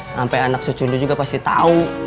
sampai anak secundu juga pasti tau